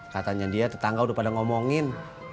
katanya dia tetangga udah pada ngomongin